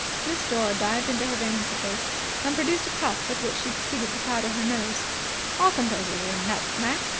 Miss Dore dived into her vanity case and produced a puff with which she proceeded to powder her nose. "All composers are nuts, Mac.